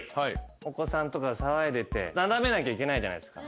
お子さんとかが騒いでてなだめなきゃいけないじゃないですか。